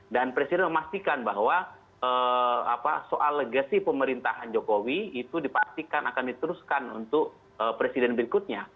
dan presiden memastikan bahwa soal legasi pemerintahan jokowi itu dipastikan akan diteruskan untuk presiden berikutnya